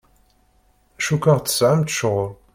Cukkeɣ tesɛamt ccɣel.